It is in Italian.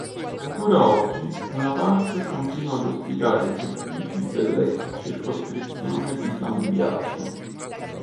Ancora oggi, una parte continua ad ospitare gli uffici dell'ex Circoscrizione di Sambiase.